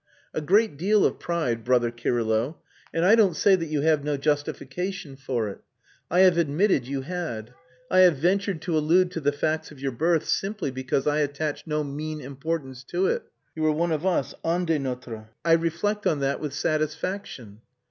"A great deal of pride, brother Kirylo. And I don't say that you have no justification for it. I have admitted you had. I have ventured to allude to the facts of your birth simply because I attach no mean importance to it. You are one of us un des notres. I reflect on that with satisfaction."